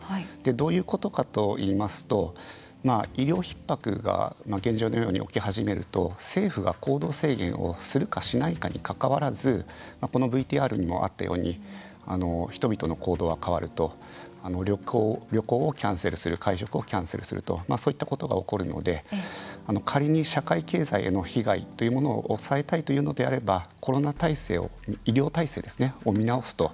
どういうことかといいますと医療ひっ迫が現状のように起き始めると政府が行動制限をするかしないかに関わらずこのＶＴＲにもあったように人々の行動が変わると旅行をキャンセルする、会食をキャンセルするとそういったことが起きるので仮に社会経済への被害というものを抑えたいというのであれば医療体制を見直すと。